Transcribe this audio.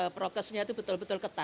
kita harus tetap berusaha